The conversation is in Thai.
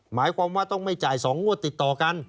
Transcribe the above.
หมายความว่าต้องไม่จ่าย๒งวดติดต่อกัน